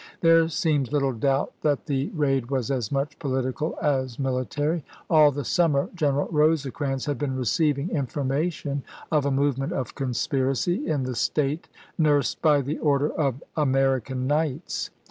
There seems little doubt that the raid was as much political as military. All the summer General Eosecrans had been receiving information of a movement of conspiracy in the State nursed by the order of " American Knights."